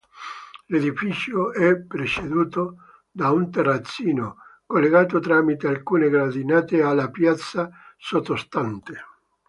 L'edificio è preceduto da un terrazzino, collegato tramite alcune gradinate alla piazza sottostante.